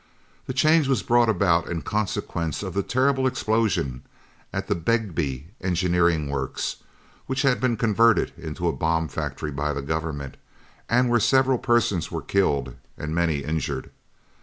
The change was brought about in consequence of the terrible explosion at Begbie's Engineering Works, which had been converted into a bomb factory by the Government, and where several persons were killed and many injured.